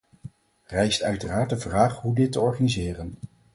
Rijst uiteraard de vraag hoe dit te organiseren.